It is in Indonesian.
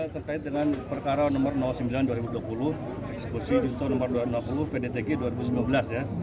terkait dengan perkara nomor sembilan dua ribu dua puluh eksekusi di tahun nomor dua ratus enam puluh pdtg dua ribu sembilan belas ya